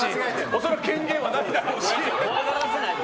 恐らく権限はないだろうし。